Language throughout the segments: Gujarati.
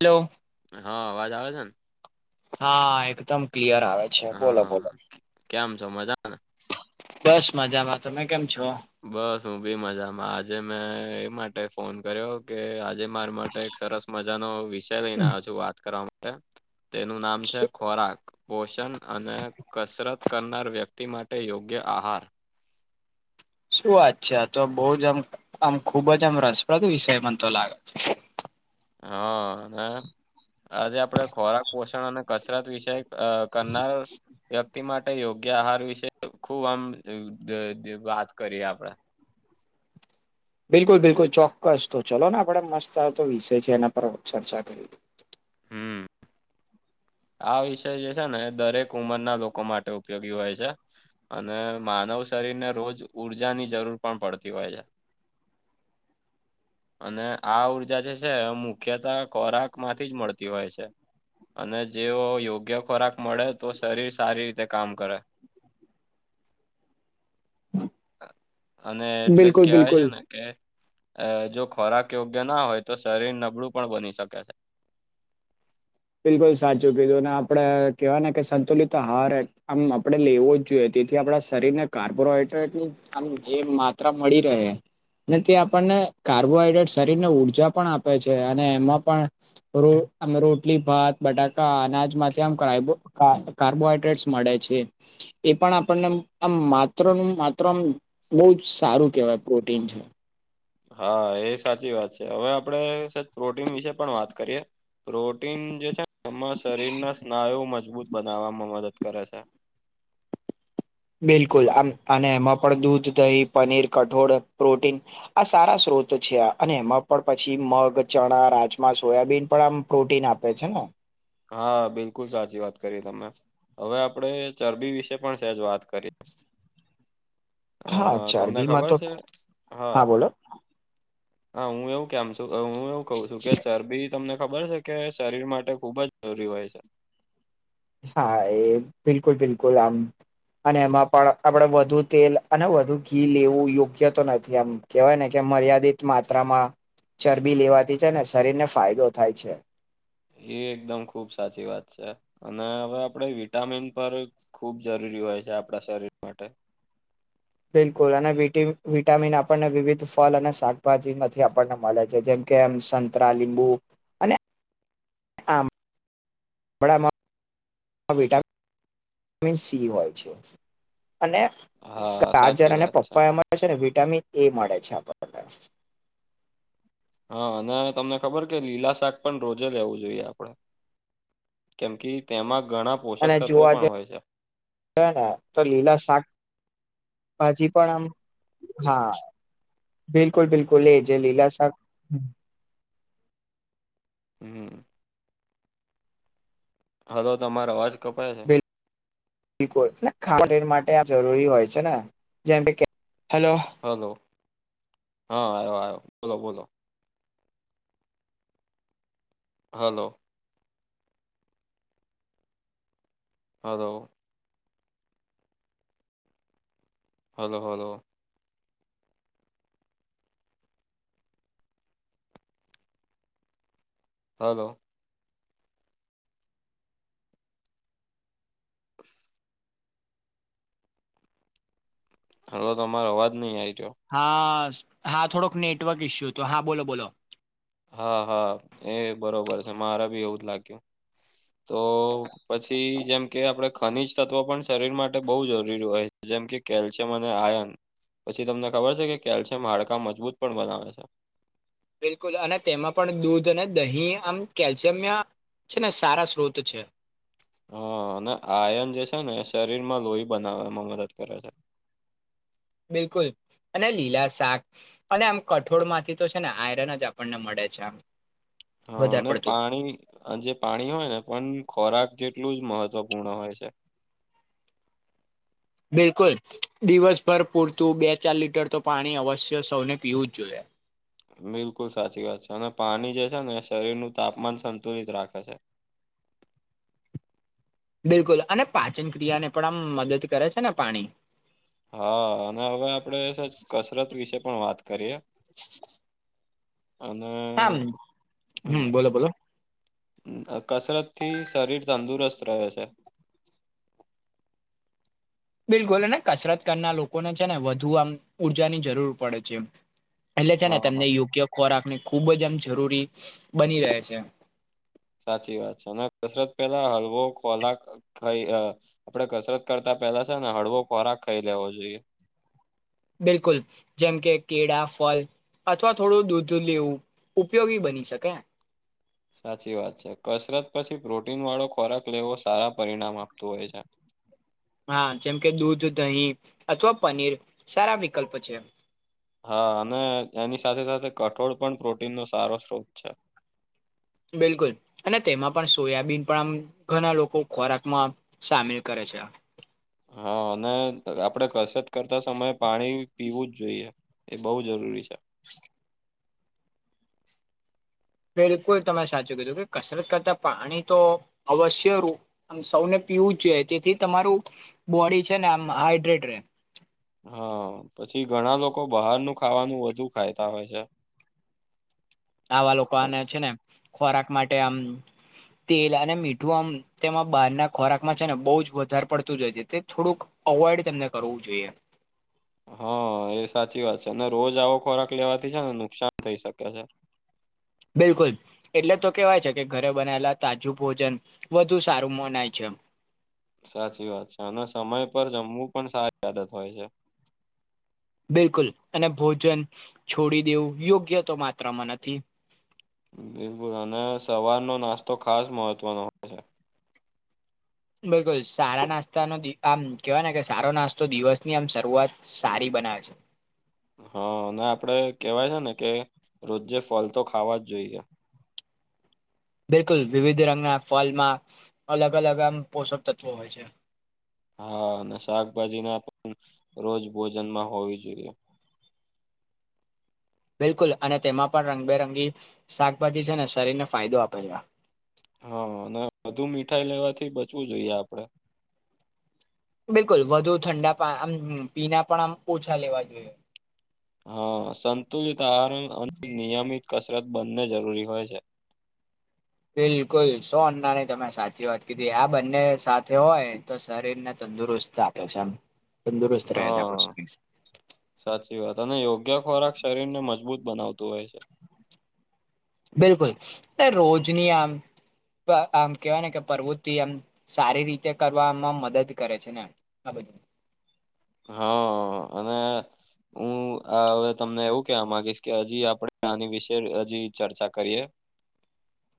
હલો. હા અવાજ આવે છે, ને? હા એકદમ ક્લિયર આવે છે, હા બોલો-બોલો. કેમ છો મજાને બસ મજામાં તમે કેમ છો? બસ હુંબી મજામાં આજે મેં એ માટે ફોન કર્યો કે આજે માર માટે એક સરસ મજાનો વિષ લઈને આવ્યો છું, વાત કરવા માટે તેનું નામ છે, શું ખોરાક પોષન અને કસરત કરનાર વ્યક્તિ માટે યોગ્ય આહાર. શું વાત છે, આ તો બહું જ આમ આમ ખુબ જ આમ રસપ્રદ વિષય મને તો લાગે છે. હા અને આજે આપડે ખોરાક પોષણ અને કસરત વિષય અ કરનાર વ્યક્તિ માટે યોગ્ય આહાર વિશે ખૂબ આમ વાત કરીએ આપણેે બિલકુલ બિલકુલ ચોક્કસ તો ચલો ને આપડે મસ્ત આતો વિષય છે એના પર ચર્ચા કરી. હમ. આ વિષય જે છે ને એ દરેક ઉંમરના લોકો માટે ઉપયોગી હોય છે. અને માનવ શરીરને રોજ ઉઊર્જાની જરૂર પણ પડતી હોય છે. [inaudible] અને આ ઊર્જા જે છે મુખ્યત ખોરાક માંથી જ મળતી હોય છે. અને જેઓ યોગ્ય ખોરાક મળે તો શરીર સારી રીતે કામ કરે. અને એટલે જ બિલકુલ કેવાય બિલકુલ છે ને કે અ, જો ખોરાક યોગ્ય ના હોય તો શરીર નબળું પણ બની શકે છે. બિલકુલ સાચું કીધું આપડે કવા ને કે સંતુલિત આહાર આમ આપડે લેવો જ જોઈએ. તેથી આપણા શરીર ને કાર્બોહાઈડ્રેટની માત્રા મળી રહે. ને તે આપણને કાર્બોહાઈડ્રેટ શરીર ને ઉર્જા પણ આપે છે અને એમાં પણ [unintelligible] રોટલી, ભાત, બટાકા, અનાજમાંથી આમ કાર્બોહાઈડ્રેટ્સ મળે છે. એ પણ આપણને આમ માત્ર નું માત્ર આમ બહૂં જ સારું કેવાય પ્રોટીન છે. હા એ સાચી વાત છે હવે આપડે સા પ્રોટીન વિશે પણ વાત કરીએ પ્રોટીન જે છે ને એમાં શરીરના સ્નાયુ મજબૂત બનાવવામાં મદદ કરે છે. [inaudible] બિલકુલ અને એમાં પણ દૂધ દહી પનીર કઠોળ પ્રોટીન આ સારા સ્ત્રોત છે અને એમાં પણ પછી મગ ચણા રાજમા સોયાબીન પણ આમ પ્રોટીન આપે છે ને હા બિલકુલ સાચી વાત કરી તમે હવે આપડે ચરબી વિશે પણ સેજ વાત કરી અ હા તમને ચરબીમાં ખબર તો છે હા હા હું એવું કેમ છું હું એવું કઉ છું કે ચરબી તમને ખબર છે. કે શરીર માટે ખુબ જ જરૂરી હોય છે. હા એ બિલકુલ બિલકુલ આમ અને એમાં પણ આપણેે વધુ તેલ અને વધુ ઘી લેવું યોગ્ય તો નથી આમ કેહેવાય ને કે મર્યાદિત માત્રામાં ચરબી લેવાથી છે ને શરીર ને ફાયદો થાય છે. એ એકદમ ખુબ સાચી વાત છે અને હવે આપણે વિટામિન પર ખૂબ જરૂરી હોય છે આપણા શરીર માટે બિલકુલ અને વિ વિટામિન આપણને વિવિધ ફળ અને શાકભાજીમાંથી આપણને મળે છે જેમ કેમ સંતરા લીમબુ વડામાંટ વિટામિન સી હોય છે અને હા આજાર સાચી અને વાત છે પપ્પા એ મળ છે ને વિટામિન એ મળે છે આપણને હા અને તમને ખબર કે લીલા શાક પણ રોજે લેવું જોઈએ આપડે કેમ કે તેમાં ઘણા પોષક અને જો તત્વો આજે પણ હોય છે ને તો લીલા શાક હછી પણ આમ હા બિલકુલ બિલકુલ એ જે લીલા સાબ હમ હ તો તમારે અવાજ કપડાય છે. બ ખ માટે આ જરૂરી હોય છે ને જેમ કે હલો હલો હા આવ્યો આવ્યો બોલો બોલો હલો હઉ હલો હલો હલો હ હલો તો તમારો અવાજ નઈ આજ્યો. હા હા થોડોક નેટવર્ક ઇશ્યુ હતો હા બોલો બોલો હા હા એ બરોબર છે, મારે બી એવું જ લાગ્યુ તો પછી જેમ કે આપડે. ખનીજ તત્વો પણ શરીર માટે બહુ જરૂરી હોય જેમ કે કેલ્શિયમ અને આયન પછી તમને ખબર છે કે કેલ્શિયમ હાડકા મજબૂત પણ બનાવે છે. બિલકુલ અને તેમાં પણ દૂધ અને દહીં આમ કેલ્શિયમ છે ને સારા સ્ોત છે. હ અને આયન જે છે ને શરીરમાં લોહી બનાવવામાં મદદ કરે છે. બિલકુલ અને લીલા શાક અને આમ કઠોળ માંથી તો છે ને આયરન જ આપણને મળે છે, આમ હા વધારે અને પડતું પાણી. આ જે પાણી હોય ને પણ ખોરાક જેટલું જ મહત્વપૂર્ણ હોય છે. બિલકુલ દિવસભર પૂરતું બે ચાર લીટર તો પાણી અવશ્ય સૌને પીવું જ જોઈએ. બિલકુલ સાચી વાત છે અને પાણી જે છે ને એ શરીર નું તાપમાન સંતુલિત રાખે છે. બિલકુલ અને પાચન ક્રિયા ને પણ આમ મદદ કરે છેને, પાણી હા અને હવે આપણે છે, કસરત વિશે પણ વાત કરીએ અને આમ હમ બોલો બોલો કસરત થી શરીર તંદુરસ્ત રહે છે. બિલકુલને કસરત કરનાર લોકોને છે ને વધુ આમ ઉર્જા ની જરૂર પડે છે, એ એટલે છે ને હા તમને યોગ્ય, ખોરાક ને ખુબ જ આમ જરૂરી બની રહે છે. સાચી વાત છે, અને કસરત પેલા હલવો ખોરાક ખાઈ આપડે કસરત કરતા પેલા છેને, હળવો ખોરાક ખાઈ લેવો જોઈએ બિલકુલ જેમ કે કેળા ફલ અથવા થોડું દૂધ લેવું ઉપયોગી બની શકે સાચી વાત છે, કસરત પછી પ્રોટીન વાળો ખોરાક લેવો સારા પરિણામ આપતું હોય છે. હા જેમ કે દૂધ દહીં અથવા પનીર સારા વિકલ્પ છે. હા અને એની સાથે સાથે કઠોળ પણ પ્રોટીનનો સારો સ્ટ્રોક છે. બિલકુલ અને તેમાં પણ સોયાબીન પણ આમ ઘણા લોકો ખોરાકમા સામેલ કરે છે. હા અને આપણેે કસરત કરતા સમયે પાણી પીવું જ જોઈએ એ બહુ જરૂરી છે. બિલકુલ તમે સાચું કીધું કે કસરત કરતા પાણી તો અવશ્ય રૂ આ સૌને પીવું જ જોઈએ તેથી તમારું બોડી છે ને આમ હાડ્રેટ રહે હા પછી ઘણા લોકો બહારનું ખાવાનું વધુ ખાતા હોય છે. આવા લોકો આને છેને, ખોરાક માટે આમ તેલ અને મીઠું આમ તેમાં બહાર ના ખોરાકમાં છે ને બહ જ વધારે પડતું જાય છે તે થોડુંક અવોઈડ તેમને કરવું જોઈએ હા એ સાચી વાત છે અને રોજ આવો ખોરાક લેવાથી છે ને નુકસાન થઈ શકે છે. બિલકુલ એટલે તો કેવાય છે કે ઘરે બનાયલા તાજું ભોજન વધુ સારું મનાય છે. સાચી વાત છે અને સમય પર જમવું પણ સારી આદત હોય છે. બિલકુલ અને ભોજન છોડી દેવું યોગ્ય તો માત્રામાં નથી. બિલકુલ અને સવારનો નાસ્તો ખાસ મહત્વનો છે. બિલકુલ સારા નાસ્તાનો આમ કેવાય ને કે સારો નાસ્તો દિવસની આમ શરૂઆત સારી બનાવે છે. હા અને આપડે કેહેવાય છે ને કે રોજે ફલ તો ખાવા જ જોઈએ બિલકુલ વિવિધ રંગના ફલમાં અલગ અલગ આમ પોષક તત્વો હોય છે. હા અને શાકભાજી ના પણ રોજ ભોજનમાં હોવી જોઈએ બિલકુલ અને તેમાં પણ રંગબેરંગી શાકભાજી છે ને શરીરને ફાયદો આપે છે. હા અને બધું મીઠાઈ લેવાથી બચવું જોઈએ આપડે બિલકુલ વધુ ઠંડા પા આમ પીના પણ આમ ઓછા લેવા જોઈએ હા સંતુલિત આહરણ અને નિયમિત કસરત બંને જરૂરી હોય છે બિલકુલ સો અન્નાની તમે સાચી વાત કીધી આ બંને સાથે હોય તો શરીરને તંદુરસ્ત ચાર હા સાચી વાત અને યોગ્ય ખોરાક શરીર ને મજબૂત બનાવતું હોય છે બિલકુલ રોજની આમ આમ કેવાય ને કે પ્રવૃત્તિ એમ સારી રીતે કરવામાં મદદ કરે છે ને હા બધ હા અને હું હવે તમને એવું કેહેવા માંગીશ કે હજી આપણે આની વિશે હજી ચર્ચા કરીએ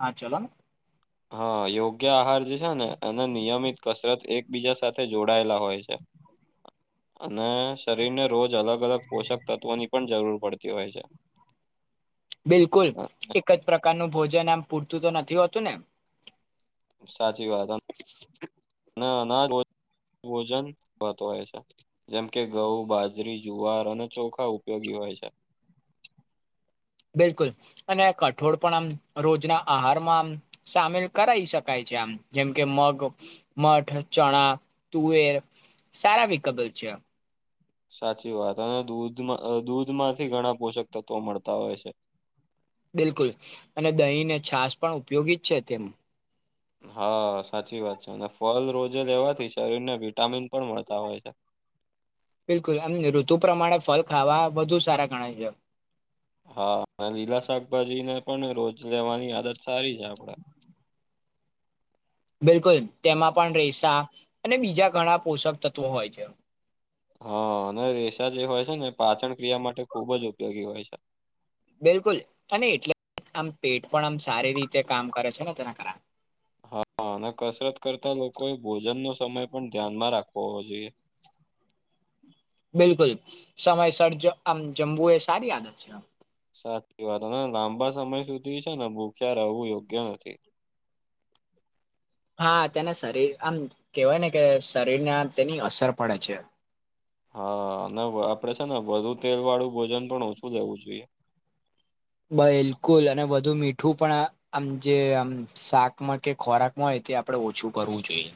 હા ચલો ને હા યોગ્ય આહાર જે છે ને એને નિયમિત કસરત એકબીજા સાથે જોડાયેલા હોય છે અને શરીર ને રોજ અલગ અલગ અલગ પોષક તત્ત્વોની પણ જરૂર પડતી હોય છે બિલકુલ અ, એક જ પ્રકારનું ભોજન આમ પૂરતું તો નથી હોતું ને સાચી વાત અજ ભોજન કરતો હોય છે જેમ કે ઘઉ, બાજરી, જુવાર અને ચોખા ઉપયોગી હોય છે. બિલકુલ અને કઠોળ પણ આમ રોજના આહારમાં આમ સામેલ કરી શકાય છે આમ જેમ કે મગ મઠ, ચણા, તુવેર સારા વિકબલ છે. સાચી વાત અને દૂધમાં દૂધમાંથી ઘણા પોષક તત્વો મળતા હોય છે. બિલકુલ અને દહીંને છાસ પણ ઉપયોગી જ છે તેમ. હા સાચી વાત છે અને ફલ રોજે લેવાથી શરીર ને વિટામિન પણ મળતા હોય છે. બિલકુલ એમ ઋતુ પ્રમાણે ફલ ખાવા બધુ સારા ગણાય છે. હા લીલા શાકભાજીને પણ રોજ લેવાની આદત સારી છે આપડે. બિલકુલ તેમાં પણ રેસા અને બીજા ઘણા પોષક તત્વો હોય છે. હા અને રેસાા જે હોય છે ને એ પાચન ક્રિયા માટે ખુબ જ ઉપયોગી હોય છે. બિલકુલ અને એટલે આમ પેટ પણ આમ સારી રીતે કામ કરે છે ને તેના કરણે. હા અને કસરત કરતા લોકોએ ભોજન નો સમય પણ ધ્યાન માં રાખવો હોવો જોઈએ. બિલકુલ સમયસરજ આમ જમવું એ સારી આદત છે. સાચી વાત લાંબા સમય સુધી છે ને ભૂખ્યા રહેવું યોગ્ય નથી. હા તેને શરીર આમ કેવાય ને કે શરીરને આ તેની અસર પડે છે. હા અને આપડે છે ને વધુ તેલ વાળું ભોજન પણ ઓછું લેવું જોઈએ. બિલકુલ અને બધું મીઠું પણ આમ જે આમ શાકમાં કે ખોરાકમાં હોય તે આપડે ઓછું કરવું જોઈએ‌‌.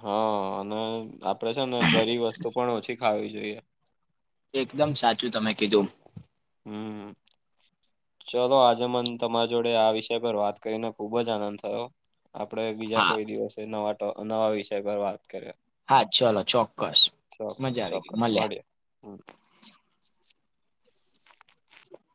હા અને આપડે છે ને ઘરી વસ્તુ પણ ઓછી ખાવી જોઈએ. એકદમ સાચું તમે કીધું. હમ ચલો આજે મન તમારી જોડે આ વિષય પર વાત કરીને ખુબ જ આનંદ થયો. આપડ બીજા હા કોઈ દિવસે નવા નવા વિષય પર વાત કર્યા. હા ચલો ચોક્કસ મજા આવી ગય મળીએ. હા